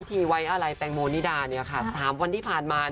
พิธีไว้อะไรแต่งโมนิดาสามวันที่ผ่านมา